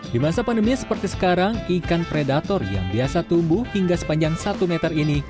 di masa pandemi seperti sekarang ikan predator yang biasa tumbuh hingga sepanjang satu meter ini